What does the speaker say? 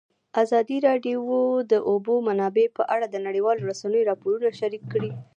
ازادي راډیو د د اوبو منابع په اړه د نړیوالو رسنیو راپورونه شریک کړي.